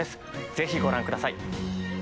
ぜひご覧ください。